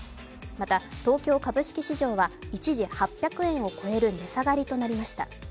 また東京株式市場は一時、８００円を超える値下がりとなりました。